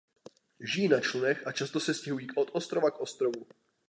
Žijí na člunech a často se stěhují od ostrova k ostrovu.